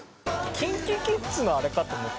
ＫｉｎＫｉＫｉｄｓのあれかと思った。